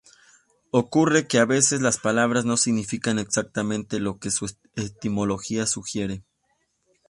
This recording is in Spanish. Ocurre que a veces las palabras no significan exactamente lo que su etimología sugiere.